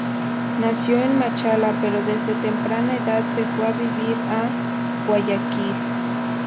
Nació en Machala pero desde temprana edad se fue a vivir a Guayaquil.